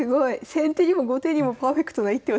先手にも後手にもパーフェクトな一手を作る。